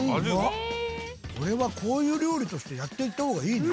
これはこういう料理としてやっていった方がいいね。